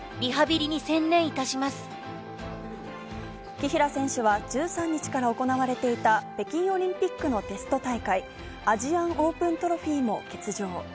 紀平選手は１３日から行われていた北京オリンピックのテスト大会、アジアンオープントロフィーも欠場。